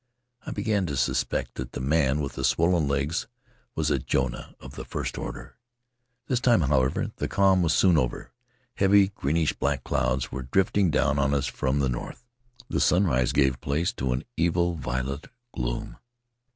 I began to suspect that the man with the swollen legs was a Jonah of the first order. This time, however, the calm was soon over; heavy greenish black clouds were drifting down on us from the north; the sunlight gave place to an evil violet gloom.